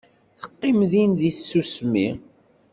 Teqqim din deg tsusmi.